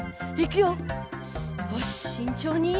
よししんちょうに。